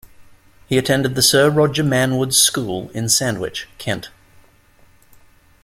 He attended the Sir Roger Manwood's School in Sandwich, Kent.